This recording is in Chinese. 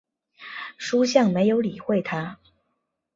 叔向没有理会他。